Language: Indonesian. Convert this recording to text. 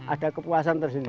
ada kepuasan tersendiri